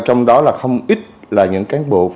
trong đó không ít là những cán bộ